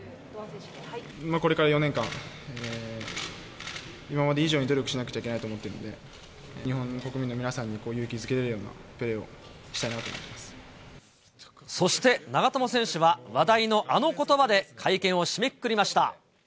これから４年間、今まで以上に努力しなくちゃいけないと思っているので、日本の国民の皆さんを勇気づけられるようなプレーをしたいなと思そして、長友選手は話題のあのことばで会見を締めくくりました。